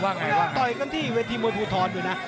มันมีรายการมวยนัดใหญ่อยู่นัดใหญ่อยู่นัด